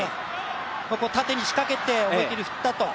縦に仕掛けて思いっきり振ったと。